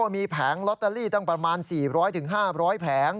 มีแผงลอตเตอรี่ตั้งประมาณ๔๐๐๕๐๐แผง